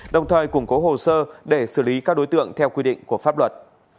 đồng thời củng cố hồ sơ để xử lý các đối tượng theo quy định của pháp luật